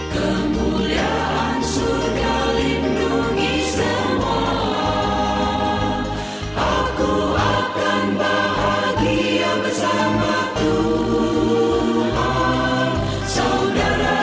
kemuliaan surga lindungi semua